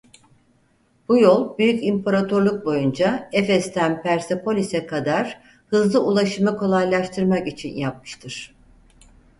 Bu yol büyük imparatorluk boyunca Efes'ten Persepolis'e kadar hızlı ulaşımı kolaylaştırmak için yapmıştır.